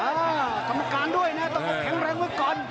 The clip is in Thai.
อ่าธรรมการด้วยนะต้องหลุดแข็งแรงไว้ก่อน